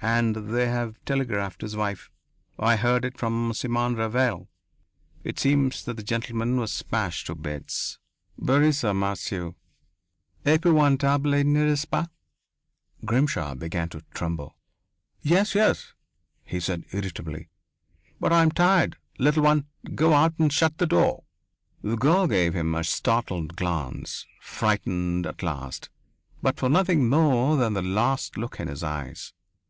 And they have telegraphed his wife.... I heard it from Simon Ravanel.... It seems that the gentleman was smashed to bits brise en morceau. Épouvantable, n'est ce pas?" Grimshaw began to tremble. "Yes, yes," he said irritably. "But I am tired, little one. Go out, and shut the door!" The girl gave him a startled glance, frightened at last, but for nothing more than the lost look in his eyes.